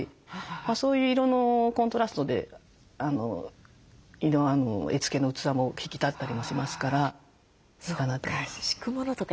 そういう色のコントラストで絵付けの器も引き立ったりもしますからいいかなと思います。